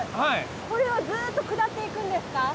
これはずっと下っていくんですか？